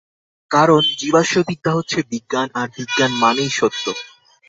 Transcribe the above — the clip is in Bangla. কারণ জীবাশ্মবিদ্যা হচ্ছে বিজ্ঞান, আর বিজ্ঞান মানেই সত্য।